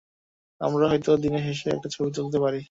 আমরা হয়তো দিনের শেষে একটা ছবি তুলতে পারি।